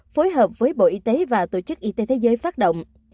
phối hợp với bộ y tế và tổ chức y tế thế giới phát động